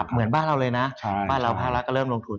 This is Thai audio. เหมือนบ้านเราเลยนะบ้านเราภาครัฐก็เริ่มลงทุน